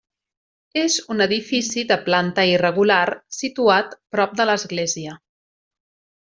És un edifici de planta irregular, situat prop de l'església.